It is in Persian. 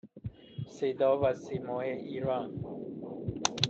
صدا و سیمای ایران